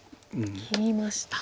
切りました。